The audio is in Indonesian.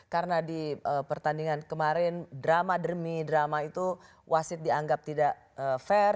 karena di pertandingan kemarin drama demi drama itu wasit dianggap tidak fair